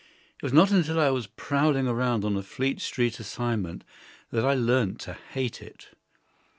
It was not until I was prowling around on a Fleet Street assignment that I learned to hate it.